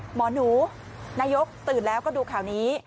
หมอหนูนายกตื่นแล้วก็ดูข่าวนี้